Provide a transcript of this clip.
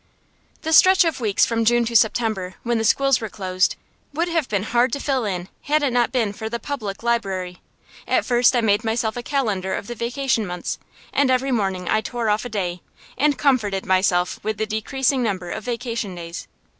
The stretch of weeks from June to September, when the schools were closed, would have been hard to fill in had it not been for the public library. At first I made myself a calendar of the vacation months, and every morning I tore off a day, and comforted myself with the decreasing number of vacation days.